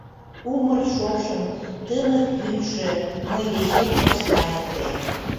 Умыр шошым Тымык йӱдшӧ Мый дечем посна эртен.